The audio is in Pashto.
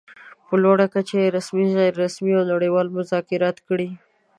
په لوړه کچه يې رسمي، غیر رسمي او نړۍوال مذاکرات کړي.